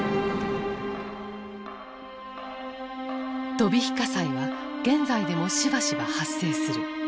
飛び火火災は現在でもしばしば発生する。